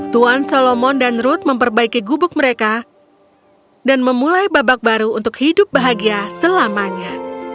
tuan solomon dan ruth memperbaiki gubuk mereka dan memulai babak baru untuk hidup bahagia selamanya